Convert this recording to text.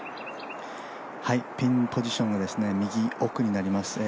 ピンポジションが右奥になります。